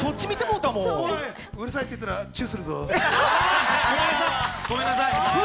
うるさいって言ったらチューごめんなさい。